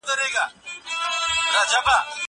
زه سندري اورېدلي دي!؟